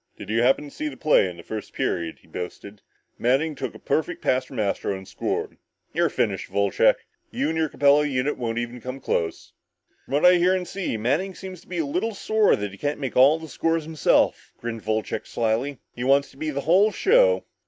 "Did you happen to see the play in the first period?" he boasted. "Manning took a perfect pass from Astro and scored. You're finished, Wolcheck, you and your Capella unit won't even come close." "From what I hear and see, Manning seems to be a little sore that he can't make all the scores himself," grinned Wolcheck slyly. "He wants to be the whole show!"